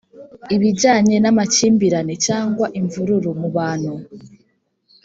ibijyanye n amakimbirane cyangwa imvururu mubantu